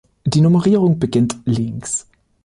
Die Nummerierung beginnt links.